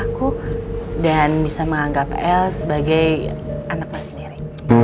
aku akan menerima dan menyayangin el seperti putriku sendiri